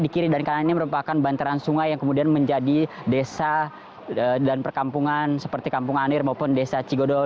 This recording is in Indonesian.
di kiri dan kanan ini merupakan bantaran sungai yang kemudian menjadi desa dan perkampungan seperti kampung anir maupun desa cigodol